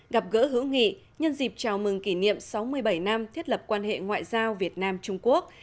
gặp gỡ hữu nghị nhân dịp chào mừng kỷ niệm sáu mươi bảy năm thiết lập quan hệ ngoại giao việt nam trung quốc